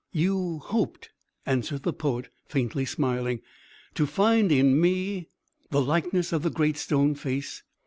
"You hoped," answered the poet, faintly smiling, "to find in me the likeness of the Great Stone Face.